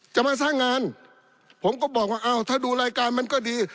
จะมาสร้างงานผมก็บอกว่าอ้าวถ้าดูรายการมันก็ดี